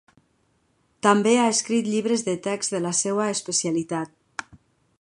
També ha escrit llibres de text de la seua especialitat.